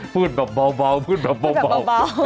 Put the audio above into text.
พูดแบบเบา